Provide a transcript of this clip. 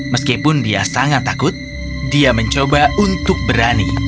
meskipun dia sangat takut dia mencoba untuk berani